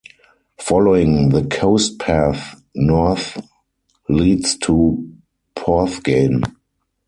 Following the coast path north leads to Porthgain.